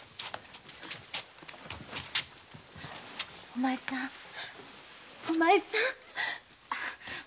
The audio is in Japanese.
お前さんお前さん。